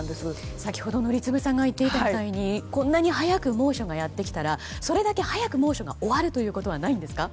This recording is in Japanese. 先ほど、宜嗣さんが言っていたみたいにこんなに早く猛暑がやってきたらそれだけ早く猛暑が終わることはないんですか？